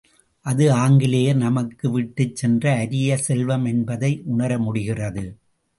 அது ஆங்கிலேயர் நமக்கு விட்டுச் சென்ற அரிய செல்வம் என்பதை உணர முடிகிறது.